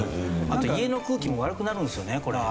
あと家の空気も悪くなるんですよねこれ。